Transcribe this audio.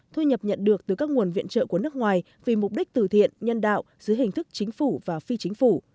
thu nhập nhận được từ các nguồn viện trợ của nước ngoài vì mục đích tử thiện nhân đạo giữa hình thức chính phủ và phi chính phủ